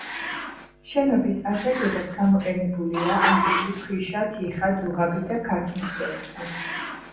შენობის ასაგებად გამოყენებულია, აგური, ქვიშა, თიხა, დუღაბი და ქათმის კვერცხი.